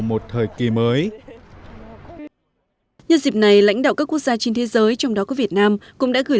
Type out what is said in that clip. một thời kỳ mới nhân dịp này lãnh đạo các quốc gia trên thế giới trong đó có việt nam cũng đã gửi